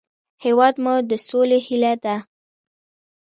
هېواد مو د سولې هیله ده